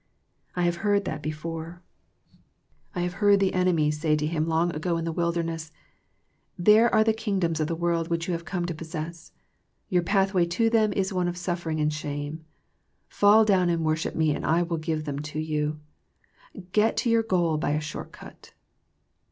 I have heard that before. I heard the enemy say to Him long 100 THE PEACTICE OF PEAYEE ago in the wilderness, " There are the Kingdoms of the world which you have come to possess. Your pathway to them is one of suffering and shame. Fall down and worship me and I will give them to you. Get to your goal by a short cut."